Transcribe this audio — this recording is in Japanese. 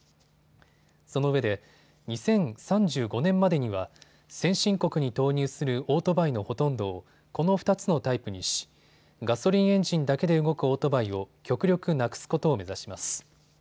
そのうえで２０３５年までには先進国に投入するオートバイのほとんどをこの２つのタイプにしガソリンエンジンだけで動くオートバイを極力なくすことを目指します。